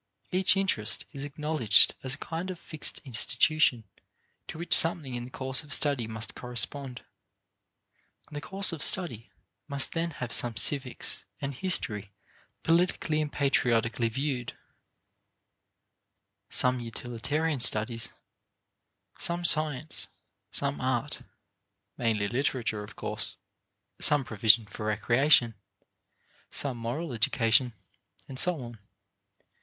Each interest is acknowledged as a kind of fixed institution to which something in the course of study must correspond. The course of study must then have some civics and history politically and patriotically viewed: some utilitarian studies; some science; some art (mainly literature of course); some provision for recreation; some moral education; and so on.